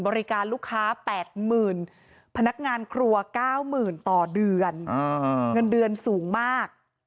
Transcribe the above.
บริการลูกค้าแปดหมื่นพนักงานครัวเก้ามื่นต่อเดือนเงินเดือนสูงมาก